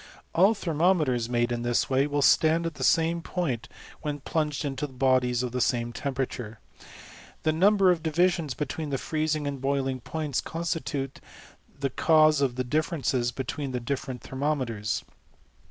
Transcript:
All thermometers made in this way will stand at tiie same point when plunged into bodies of the same temperature. The number of divisions between the freez ing and boiling points constitute the cause of the differ ISBces between different thermometers.